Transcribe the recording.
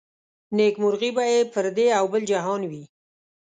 نيکمرغي به يې پر دې او بل جهان وي